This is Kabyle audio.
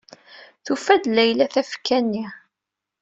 Tufa-d Layla tafekka-nni.